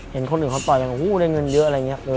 เห็นคนอื่นเขาต่อยกันโอ้โหได้เงินเยอะอะไรอย่างนี้